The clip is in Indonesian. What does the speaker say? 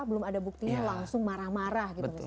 belum ada buktinya langsung marah marah gitu